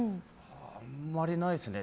あんまりないですね。